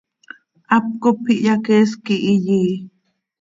Hap cop hyaqueesc quih iyii.